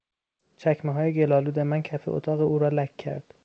چکمههای گلآلود من کف اتاق او را لک کرد.